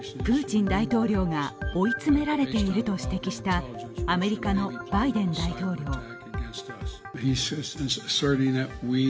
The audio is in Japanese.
プーチン大統領が追い詰められていると指摘したアメリカのバイデン大統領。